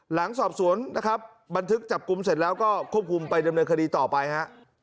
หลังสอบสวนนะครับบันทึกจับกลุ่มเสร็จแล้วก็ควบคุมไปดำเนินคดีต่อไปฮะ